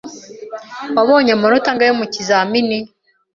Wabonye amanota angahe mu kizamini